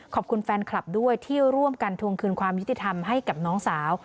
ขอบคุณแฟนคลับด้วยที่ร่วมกันทวงคืนความยุติธรรมให้กับน้องสาว